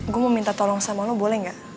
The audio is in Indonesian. gue mau minta tolong sama lo boleh gak